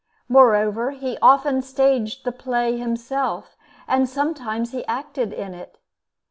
Moreover, he often "staged" the play himself, and sometimes he acted in it.